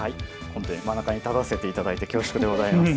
真ん中に立たせていただいて恐縮でございます。